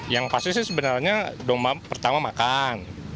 yang pasti sih sebenarnya domba pertama makan